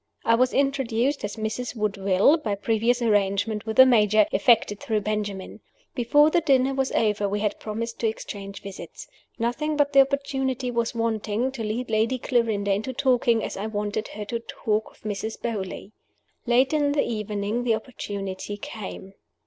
I was introduced as "Mrs. Woodville," by previous arrangement with the Major effected through Benjamin. Before the dinner was over we had promised to exchange visits. Nothing but the opportunity was wanting to lead Lady Clarinda into talking, as I wanted her to talk, of Mrs. Beauly. Late in the evening the opportunity came.